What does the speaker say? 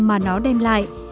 mà nó đem lại